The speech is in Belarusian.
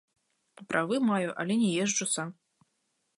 Правы маю, але не езджу сам.